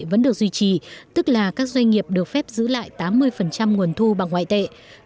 vẫn được duy trì tức là các doanh nghiệp được phép giữ lại tám mươi nguồn thu bằng ngoại tệ